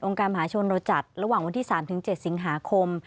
การมหาชนเราจัดระหว่างวันที่๓๗สิงหาคม